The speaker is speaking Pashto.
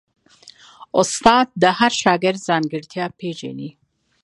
استاد د هر شاګرد ځانګړتیا پېژني.